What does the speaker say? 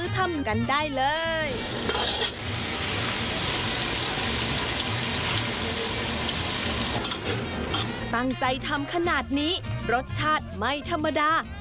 ตั้งใจทำขนาดนี้รสชาติไม่ธรรมดา